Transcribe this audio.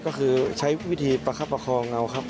ก็คือใช้วิธีประคับประคองเราครับ